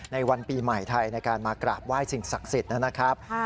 ในวันปีใหม่ไทยในการมากราบไหว้สิ่งศักดิ์สิทธิ์นะครับ